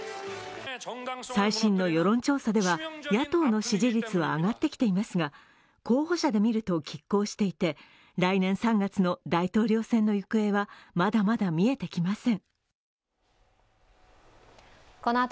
最新の世論調査では、野党の支持率は上がってきていますが候補者で見ると拮抗していて、来年３月の大統領選の行方はまだまだ見えてきません。